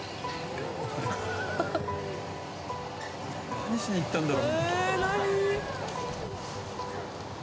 何しに行ったんだろう。